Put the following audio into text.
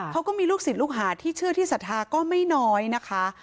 เขาก็มีลูกศิษย์ลูกหาที่เชื่อที่ศรัทธาก็ไม่น้อยนะคะ